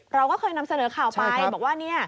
เราก็เคยนำเสนอข่าวไปบอกว่า